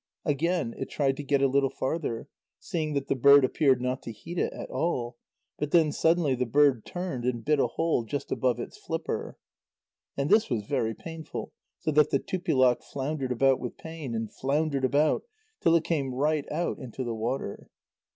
Again it tried to get a little farther, seeing that the bird appeared not to heed it at all, but then suddenly the bird turned and bit a hole just above its flipper. And this was very painful, so that the Tupilak floundered about with pain, and floundered about till it came right out into the water.